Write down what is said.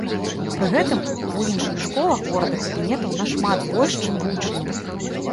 Пры гэтым у іншых школах горада кабінетаў нашмат больш, чым вучняў.